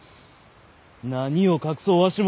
何を隠そうわしも。